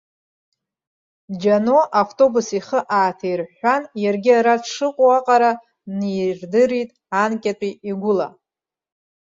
Џьано, автобус ихы ааҭирҳәҳәан, иаргьы ара дшыҟоу аҟара нииирдырит анкьатәи игәыла.